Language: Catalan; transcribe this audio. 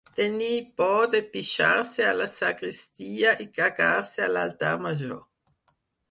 Tenir por de pixar-se a la sagristia i cagar-se a l'altar major.